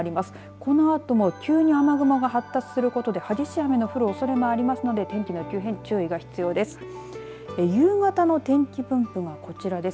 このあとも急に雨雲が発達することで激しい雨の降るおそれもありますので天気の急変に注意が必要です。